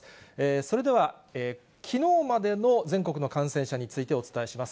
それでは、きのうまでの全国の感染者について、お伝えします。